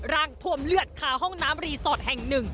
ท่วมเลือดคาห้องน้ำรีสอร์ทแห่งหนึ่ง